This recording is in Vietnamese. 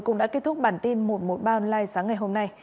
cũng đã kết thúc bản tin một trăm một mươi ba online sáng ngày hôm nay